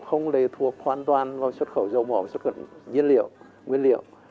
không lệ thuộc hoàn toàn vào xuất khẩu dầu mỏ xuất khẩu nhiên liệu nguyên liệu